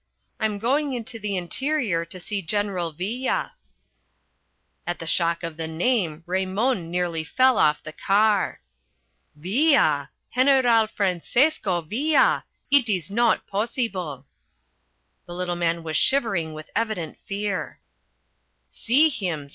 "I'm going into the interior to see General Villa!" At the shock of the name, Raymon nearly fell off the car. "Villa! General Francesco Villa! It is not possible!" The little man was shivering with evident fear. "See him!